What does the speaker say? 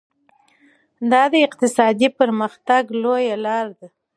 دا د اقتصادي پرمختګ لویه لار ده.